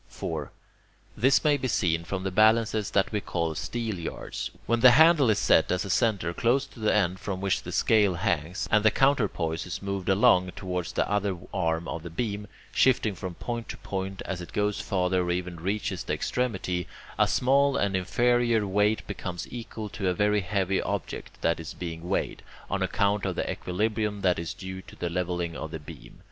4. This may be seen from the balances that we call steelyards. When the handle is set as a centre close to the end from which the scale hangs, and the counterpoise is moved along towards the other arm of the beam, shifting from point to point as it goes farther or even reaches the extremity, a small and inferior weight becomes equal to a very heavy object that is being weighed, on account of the equilibrium that is due to the levelling of the beam.